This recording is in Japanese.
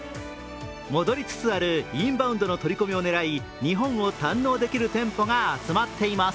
戻りつつあるインバウンドの取り込みを狙い、日本を堪能できる店舗が集まっています。